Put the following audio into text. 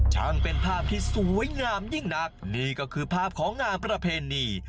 ช่างเป็นภาพที่สวยงามยิ่งนักนี่ก็คือภาพของงานประเพณี